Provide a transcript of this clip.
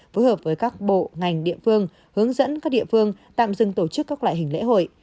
phối hợp với các bộ ngành địa phương hướng dẫn các địa phương tạm dừng tổ chức các loại hình lễ hội